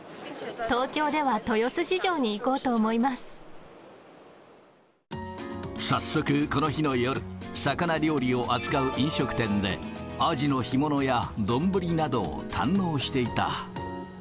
東京では豊洲市場に行こうと早速この日の夜、魚料理を扱う飲食店で、アジの干物や丼などを堪能していた。